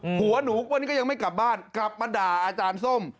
ผัวหนูวันนี้ก็ยังไม่กลับบ้านกลับมาด่าอาจารย์ส้ม